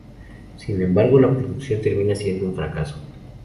Sin embargo, la producción termina siendo un fracaso.